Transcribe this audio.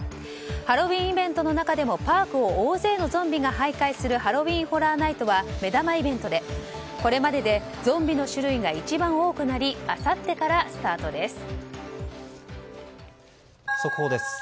ハロウィーンイベントの中でもパークを大勢のゾンビが徘徊するハロウィーン・ホラー・ナイトは目玉イベントでこれまででゾンビの種類が一番多くなり速報です。